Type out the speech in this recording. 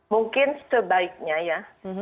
mungkin sebaiknya ya